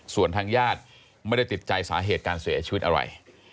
ส่วนทางญาติไม่ได้ติดใจสาเหตุการเสียชีวิตอะไร